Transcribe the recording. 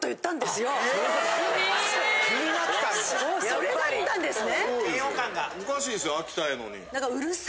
それだったんですね！